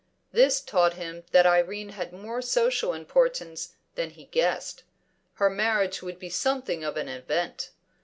This taught him that Irene had more social importance than he guessed; her marriage would be something of an event.